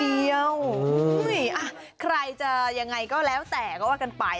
เฮ้ยใครจะอย่างไรก็แล้วแต่ก็ว่ากันไป